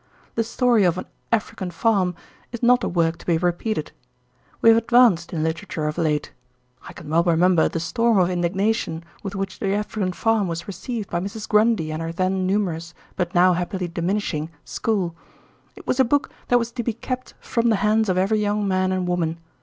"The Story of an African Farm" is not a work to be repeated. We have advanced in literature of late. I can well remember the storm of indignation with which the "African Farm" was received by Mrs. Grundy and her then numerous, but now happily diminishing, school. It was a book that was to be kept from the hands of every young man and woman.